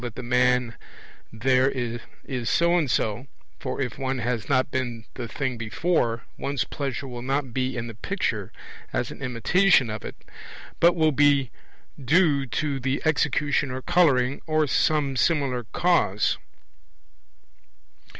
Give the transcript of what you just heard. that the man there is so and so; for if one has not seen the thing before, one's pleasure will not be in the picture as an imitation of it, but will be due to the execution or colouring or some similar cause.